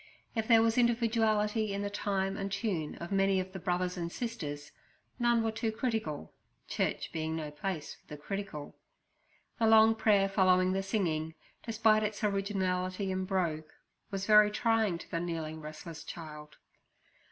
If there was individuality in the time and tune of many of the brothers and sisters, none were too critical, church being no place for the critical. The long prayer following the singing, despite its originality and brogue, was very trying to the kneeling, restless child.